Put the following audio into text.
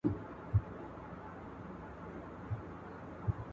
په غره کې د زرکو غږ د سهار په وخت کې ډېر ښکلی وي.